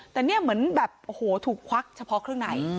แต่เนี่ยเหมือนแบบโอ้โหถูกควักเฉพาะเครื่องใน